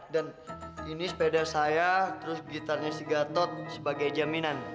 dan ini sepeda saya terus gitarnya si gatot sebagai jaminan